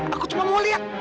aku cuma mau lihat